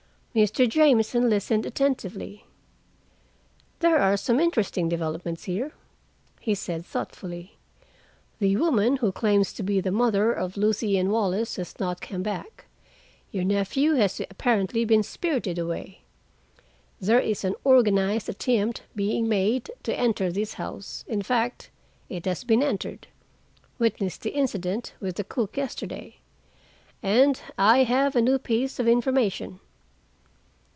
Mr. Jamieson listened attentively. "There are some interesting developments here," he said thoughtfully. "The woman who claims to be the mother of Lucien Wallace has not come back. Your nephew has apparently been spirited away. There is an organized attempt being made to enter this house; in fact, it has been entered. Witness the incident with the cook yesterday. And I have a new piece of information."